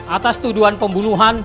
atas tuduhan pembunuhan